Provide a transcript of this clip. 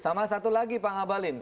sama satu lagi pak ngabalin